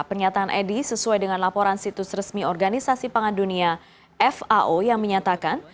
pernyataan edi sesuai dengan laporan situs resmi organisasi pangan dunia fao yang menyatakan